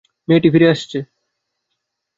মেয়েটি ফিরে আসছে।